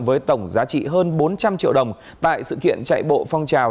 với tổng giá trị hơn bốn trăm linh triệu đồng tại sự kiện chạy bộ phong trào